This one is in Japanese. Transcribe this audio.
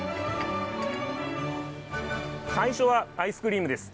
最初はアイスクリームです。